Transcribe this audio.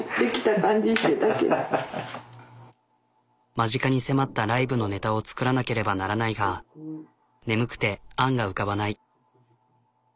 間近に迫ったライブのネタを作らなければならないが眠くて案が浮かばない。